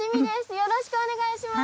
よろしくお願いします。